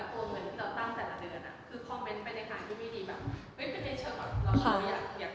คือคอมเมนต์ไปในทางที่ไม่ดี